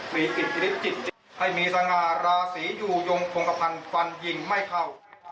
ฝีกิตฤทธิจิตให้มีสังหาราศีอยู่ยงโภงพันธ์ฟันหยิงไม่เข้า